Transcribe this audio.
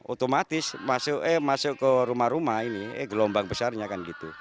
otomatis eh masuk ke rumah rumah ini eh gelombang besarnya kan gitu